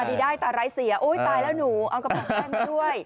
ตาดีด้ายตาไร้เสียอุ้ยตายแล้วหนูเอากระป๋องแผ้งด้วย